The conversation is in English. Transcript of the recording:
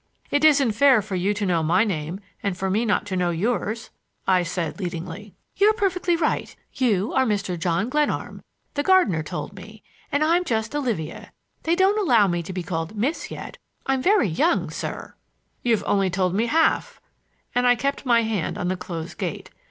"It isn't fair for you to know my name and for me not to know yours," I said leadingly. "You are perfectly right. You are Mr. John Glenarm —the gardener told me—and I am just Olivia. They don't allow me to be called Miss yet. I'm very young, sir!" "You've only told me half,"—and I kept my hand on the closed gate.